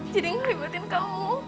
jadi ngelibetin kamu